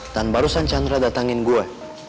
dan barusan chandra datangin gue